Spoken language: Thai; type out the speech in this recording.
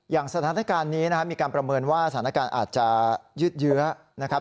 สถานการณ์นี้นะครับมีการประเมินว่าสถานการณ์อาจจะยืดเยื้อนะครับ